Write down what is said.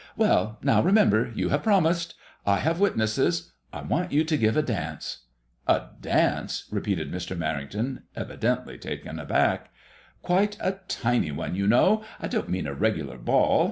" Well, now, remember you have promised. I have witnesses. I want you to give a dance." " A dance ?" repeated Mr. Merrington, evidently taken aback. Quite a tiny one, you know. I don't mean a regular ball.